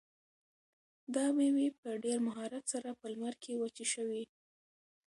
دا مېوې په ډېر مهارت سره په لمر کې وچې شوي.